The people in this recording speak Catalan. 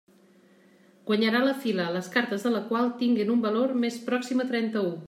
Guanyarà la fila les cartes de la qual tinguen un valor més pròxim a trenta-u.